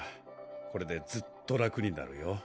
これでずっと楽になるよ。